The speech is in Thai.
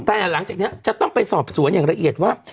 แต่หลังจากนี้จะต้องไปสอบสวนอย่างละเอียดว่า